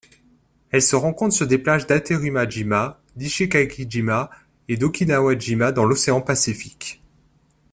Elle se rencontre sur des plages d'Hateruma-jima, d'Ishigaki-jima et d'Okinawa-jima dans l'océan Pacifique.